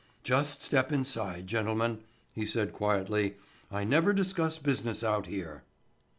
"Just step inside, gentlemen," he said quietly. "I never discuss business out here."